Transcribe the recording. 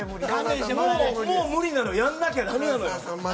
もう無理だけど、やんなきゃ駄目なのよ。